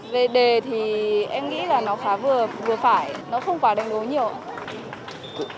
về đề thì em nghĩ là nó khá vừa phải nó không quá đánh đấu nhiều